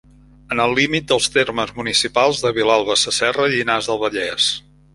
En el límit dels termes municipals de Vilalba Sasserra i Llinars del Vallès.